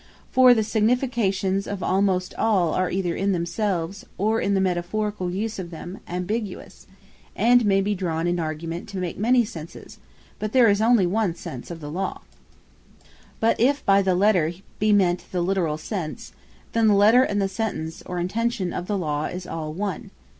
For the significations of almost all words, are either in themselves, or in the metaphoricall use of them, ambiguous; and may be drawn in argument, to make many senses; but there is onely one sense of the Law. But if by the Letter, be meant the Literall sense, then the Letter, and the Sentence or intention of the Law, is all one.